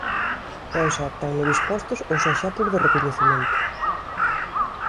Tan só tenme dispostos os obxectos de recoñecemento".